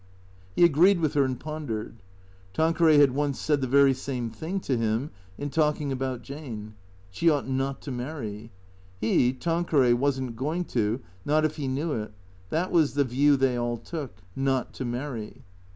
He agreed with her, and pondered. Tanqueray had once said the very same thing to him, in talking about Jane. She ought not to marry. He, Tanqueray, was n't going to, not if he knew it. That was the view they all took. Not to marry.